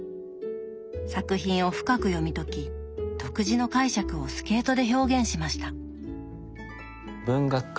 作品を深く読み解き独自の解釈をスケートで表現しました。